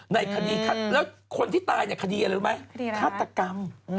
ในคดีแล้วคนที่ตายในคดีอะไรรู้ไหมฆาตกรรม